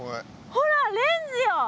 ほらレンズよ！